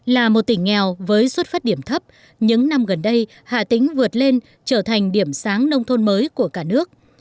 là một tỉnh nghèo với xuất phát điểm thấp những năm gần đây hà tĩnh vượt lên trở thành điểm sáng nông thôn mới của cả nước